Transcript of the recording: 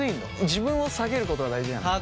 自分を下げることが大事なんだよ。